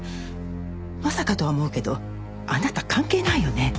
まさかとは思うけどあなた関係ないよね？